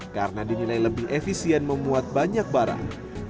karena dinilai lebih efisien memuat banyak barang